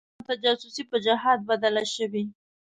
روسانو ته جاسوسي په جهاد بدله شوې.